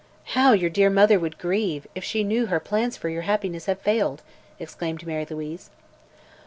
"How your dear mother would grieve, if she knew her plans for your happiness have failed!" exclaimed Mary Louise.